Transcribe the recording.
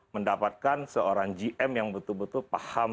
mendapatkan seorang gm yang betul betul paham